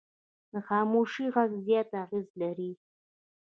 د خاموشي غږ زیات اغېز لري